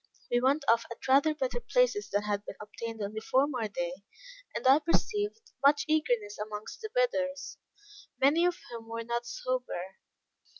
We went off at rather better prices than had been obtained on the former day; and I perceived much eagerness amongst the bidders, many of whom were not sober.